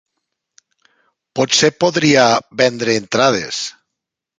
Potser podria vendre entrades.